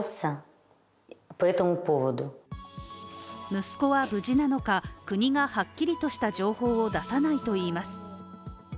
息子は無事なのか、国がはっきりとした情報を出さないといいます。